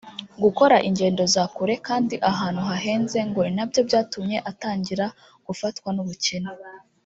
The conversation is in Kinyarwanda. gukora ingendo za kure kandi ahantu hahenze ngo ni byo byatumye atangira gufatwa n’ubukene